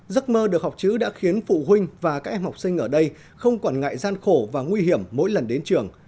giấc mơ được học chữ đã khiến phụ huynh và các em học sinh ở đây không quản ngại gian khổ và nguy hiểm mỗi lần đến trường